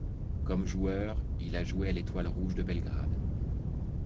Comme joueur, il a joué à l'Étoile rouge de Belgrade.